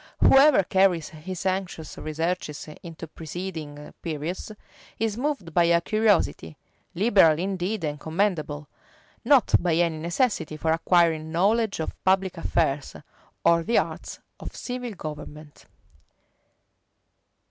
Whoever carries his anxious researches into preceding periods, is moved by a curiosity, liberal indeed and commendable; not by any necessity for acquiring knowledge of public affairs, or the arts of civil government.